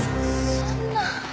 そんな。